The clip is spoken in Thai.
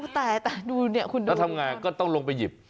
แต่ดูเนี่ยคุณดูว่าถ้าทำง่ายก็ต้องลงไปหยิบ